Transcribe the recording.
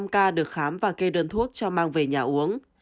năm mươi năm ca được khám và kê đơn thuốc cho mang về nhà uống